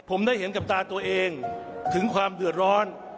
ผมได้เห็นกับตาตัวเองถึงความเดือดร้อน